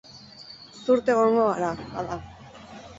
Zurt egongo gara, bada.